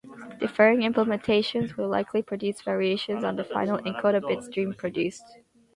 Differing implementations will likely produce variations on the final encoded bit-stream produced.